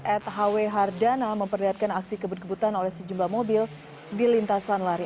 at hw hardana memperlihatkan aksi kebut kebutan oleh sejumlah mobil di lintasan lari